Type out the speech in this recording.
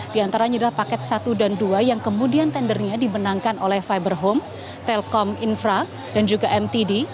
di antara ini adalah paket satu dan dua yang kemudian tendernya dibenangkan oleh fiber home telkom infra dan juga mtd